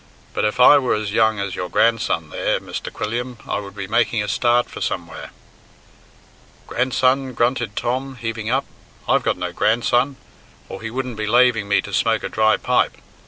"But if I were as young as your grandson there, Mr. Quilliam, I would be making a start for somewhere." "Grandson!" grunted Tom, heaving up, "I've got no grandson, or he wouldn't be laving me to smoke a dry pipe.